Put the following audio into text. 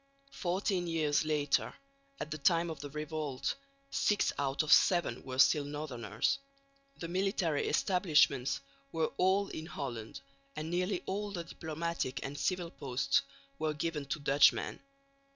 Fourteen years later (at the time of the revolt) six out of seven were still northerners. The military establishments were all in Holland, and nearly all the diplomatic and civil posts were given to Dutchmen.